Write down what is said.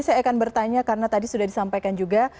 saya akan bertanya karena tadi sudah disampaikan juga